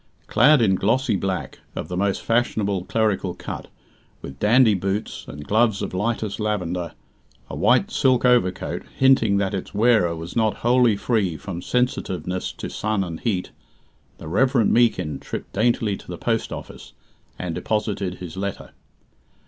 Clad in glossy black, of the most fashionable clerical cut, with dandy boots, and gloves of lightest lavender a white silk overcoat hinting that its wearer was not wholly free from sensitiveness to sun and heat the Reverend Meekin tripped daintily to the post office, and deposited his letter.